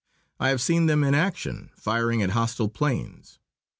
I have seen them in action, firing at hostile planes.